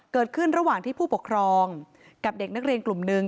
เกิดขึ้นระหว่างที่ผู้ปกครองกับเด็กนักเรียนกลุ่มหนึ่ง